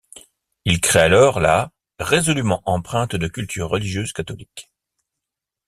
Il crée alors la ' résolument empreinte de culture religieuse catholique.